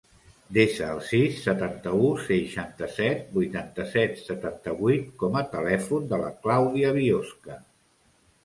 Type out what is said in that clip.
Desa el sis, setanta-u, seixanta-set, vuitanta-set, setanta-vuit com a telèfon de la Clàudia Biosca.